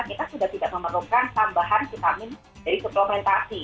kita sudah tidak memerlukan tambahan vitamin dari suplementasi